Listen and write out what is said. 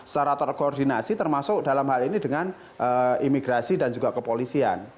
secara terkoordinasi termasuk dalam hal ini dengan imigrasi dan juga kepolisian